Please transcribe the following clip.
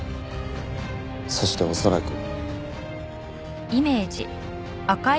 そして恐らく。